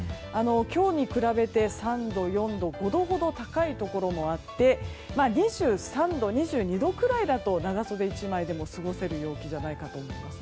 今日に比べて３度、４度、５度ほど高いところもあって２３度、２２度くらいだと長袖１枚でも過ごせる陽気じゃないかと思います。